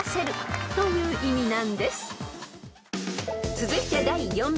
［続いて第４問］